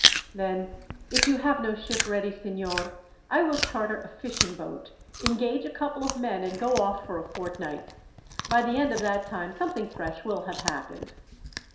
"Then, if you have no ship ready, signor, I will charter a fishing boat, engage a couple of men, and go off for a fortnight. By the end of that time something fresh will have happened."